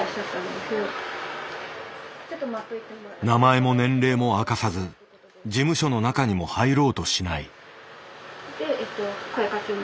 名前も年齢も明かさず事務所の中にも入ろうとしない。